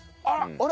あれ？